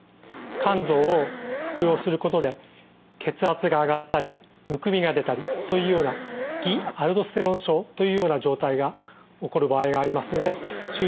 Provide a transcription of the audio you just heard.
甘草を服用することで血圧が上がったりむくみが出たりというような偽アルドステロン症というような状態が起こる場合がありますので注意